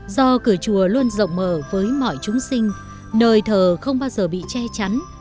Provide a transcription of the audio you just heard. do cửa chùa luôn rộng mở với mọi chúng sinh nơi thờ không bao giờ bị che chắn